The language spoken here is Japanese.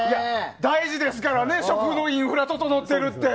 大事ですからね食のインフラ整ってるって。